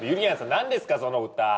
何ですかその歌？